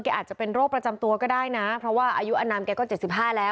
อาจจะเป็นโรคประจำตัวก็ได้นะเพราะว่าอายุอนามแกก็๗๕แล้ว